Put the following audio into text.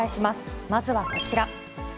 まずはこちら。